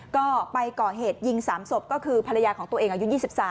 ก็ไปก่อเหตุยิง๓ศพก็คือภรรยาของตัวเองอายุ๒๓